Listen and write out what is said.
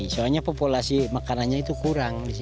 soalnya populasi makanannya itu kurang di sini